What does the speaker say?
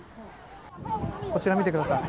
こちら見てください。